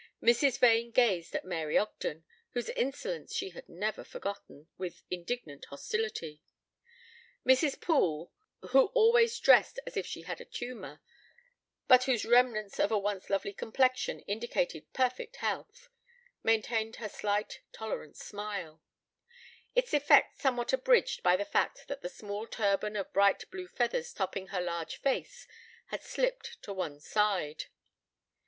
Mrs. Vane gazed at Mary Ogden, whose insolence she had never forgotten, with indignant hostility; Mrs. Poole, who always dressed as if she had a tumor, but whose remnant of a once lovely complexion indicated perfect health, maintained her slight tolerant smile; its effect somewhat abridged by the fact that the small turban of bright blue feathers topping her large face had slipped to one side.